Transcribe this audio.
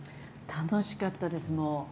楽しかったです。